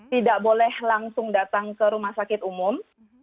tidak boleh langsung datang ke rumah sakit umum